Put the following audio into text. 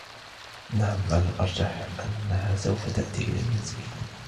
نعم ، على الأرجح أنها سوف تأتي إلى المنزل.